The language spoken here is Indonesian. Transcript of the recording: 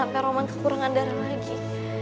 jangan sampe roman kekurangan darah lagi